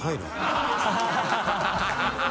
ハハハ